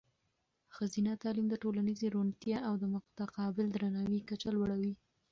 ښځینه تعلیم د ټولنیزې روڼتیا او د متقابل درناوي کچه لوړوي.